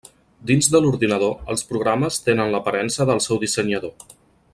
Dins de l'ordinador, els programes tenen l'aparença del seu dissenyador.